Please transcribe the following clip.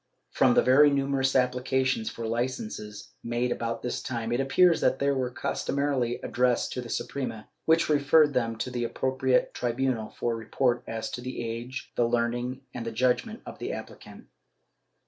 From the very numerous applications for licences made about this time it appears that they were customarily addressed to the Suprema, which referred them to the appropriate tribunal for report as to the age, the learning and the judgement of the appli cant.